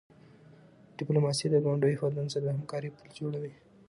ډیپلوماسي د ګاونډیو هېوادونو سره د همکاری پل جوړوي.